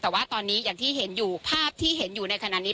แต่ว่าตอนนี้อย่างที่เห็นอยู่ภาพที่เห็นอยู่ในขณะนี้